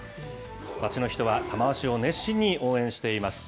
町の人は玉鷲を熱心に応援しています。